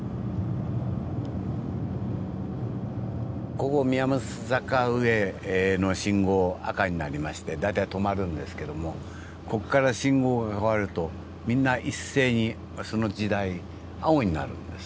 ここ宮益坂上の信号赤になりましてだいたい止まるんですけどもこっから信号が変わるとみんな一斉にその時代青になるんです。